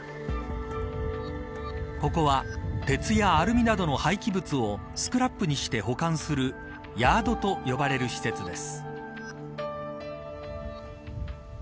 ここは、鉄やアルミなどの廃棄物をスクラップにして保管するヤードと呼ばれる施設です。